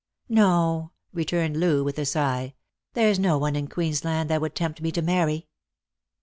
" No," returned Loo, with a sigh. " There's no one in Queensland that would tempt me to marry."